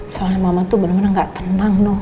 soalnya mama tuh bener bener gak tenang dong